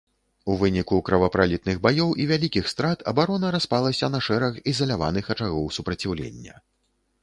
У выніку кровапралітных баёў і вялікіх страт абарона распалася на шэраг ізаляваных ачагоў супраціўлення.